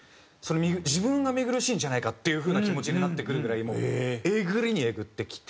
自分が見苦しいんじゃないか？っていう風な気持ちになってくるぐらいもうえぐりにえぐってきて。